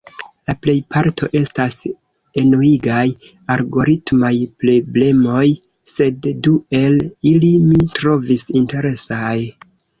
La plejparto estas enuigaj algoritmaj prblemoj, sed du el ili mi trovis interesaj: